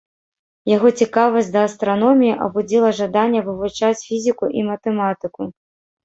Яго цікавасць да астраноміі абудзіла жаданне вывучаць фізіку і матэматыку.